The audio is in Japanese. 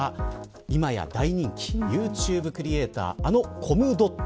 今や大人気ユーチューブクリエイターあのコムドット